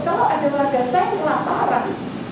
kalau ada orang orang saya yang kelaparan